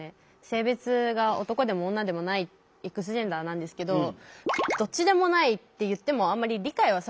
性別が男でも女でもないＸジェンダーなんですけどどっちでもないって言ってもあんまり理解はされないわけですよ。